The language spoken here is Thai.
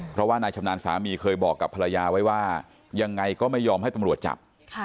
เพราะว่านายชำนาญสามีเคยบอกกับภรรยาไว้ว่ายังไงก็ไม่ยอมให้ตำรวจจับ